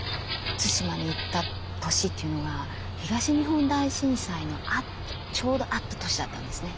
対馬に行った年というのが東日本大震災のちょうどあった年だったんですね。